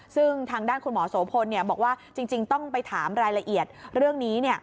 ซึ่งทางด้านคุณหมอโสพลบอกว่าจริงต้องไปถามรายละเอียดเรื่องนี้